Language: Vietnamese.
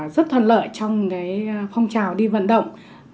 rất thuận lợi trong phong trào đi vận động